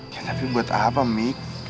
ya tapi buat apa mic